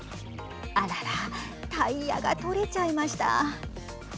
あららタイヤが取れちゃいました。